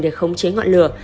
để khống chế ngọn lửa